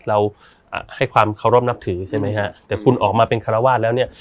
เราให้ความเคารพนับถือใช่ไหมฮะแต่คุณออกมาเป็นคารวาสแล้วเนี่ย